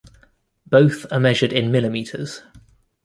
Both are measured in millimeters.